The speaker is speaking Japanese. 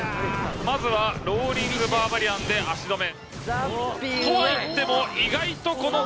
まずはローリングバーバリアンで足止め。